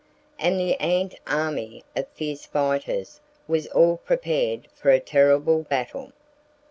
And the ant army of fierce fighters was all prepared for a terrible battle.